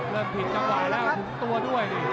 เรื่องผิดจังหวะแล้วถุงตัวด้วยนี่